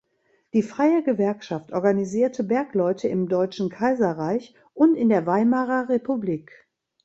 Die freie Gewerkschaft organisierte Bergleute im Deutschen Kaiserreich und in der Weimarer Republik.